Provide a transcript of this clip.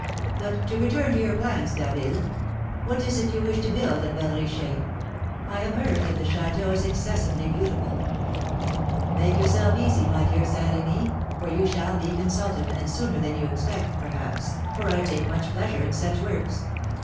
But to return to your plans, D'Harville, what is it you wish to build at Val Richer? I have heard that the château is excessively beautiful." "Make yourself easy, my dear Saint Remy, for you shall be consulted, and sooner than you expect, perhaps, for I take much pleasure in such works.